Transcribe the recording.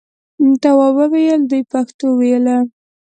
تواب وویل دوی پښتو ویله.